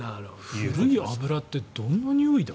古い油ってどんなにおいだ？